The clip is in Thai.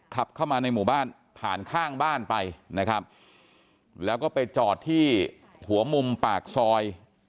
ขับเข้ามาในหมู่บ้านผ่านข้างบ้านไปนะครับแล้วก็ไปจอดที่หัวมุมปากซอย